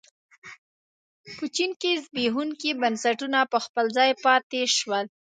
په چین کې زبېښونکي بنسټونه په خپل ځای پاتې شول.